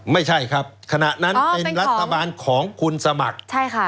ไม่ใช่ครับขณะนั้นเป็นรัฐบาลของคุณสมัครใช่ค่ะ